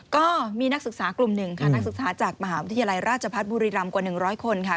ก็มีนักศึกษากลุ่มหนึ่งค่ะนักศึกษาจากมหาวิทยาลัยราชพัฒน์บุรีรำกว่า๑๐๐คนค่ะ